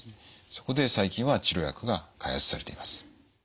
そこで最近は治療薬が開発されています。